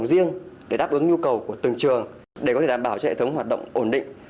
để đáp ứng nhu cầu của từng trường để có thể đảm bảo cho hệ thống hoạt động ổn định